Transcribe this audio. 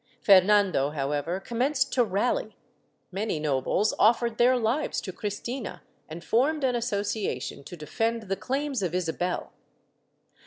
Fernando however commenced to rally; many nobles offered their lives to Cristina and formed an association to defend the claims of Isabel.